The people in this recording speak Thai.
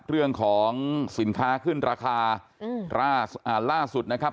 เรื่องของสินค้าขึ้นราคาอืมอ่าล่าสุดนะครับ